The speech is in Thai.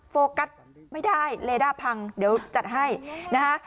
โฟกัสไม่ได้เลด้าพังเดี๋ยวจัดให้นะคะ